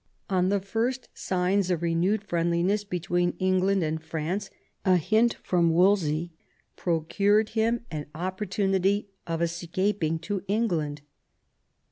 On the first signs of renewed friendliness between England and France a ,hint from Wolsey procured him an opportunity of 108 THOMAS WOLSEY ohap. escaping to England.